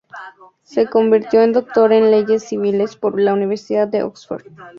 Se convirtió en Doctor en Leyes Civiles por la Universidad de Oxford.